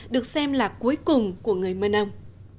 được xem là cuối cùng của người mơ nông